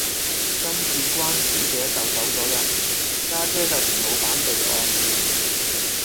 跟住關小姐就走左人，家姐就同老闆備案